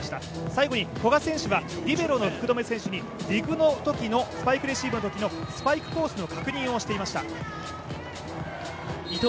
最後に古賀選手はリベロの福留選手にディグのとき、スパイクレシーブのときの、スパイクのコースの確認をしていました。